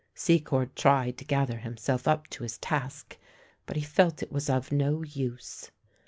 Secord tried to gather him self up to his task, but he felt it was of no use.